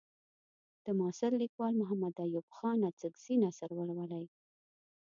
د معاصر لیکوال محمد ایوب خان اڅکزي نثر ولولئ.